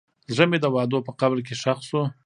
زړه مې د وعدو په قبر کې ښخ شو.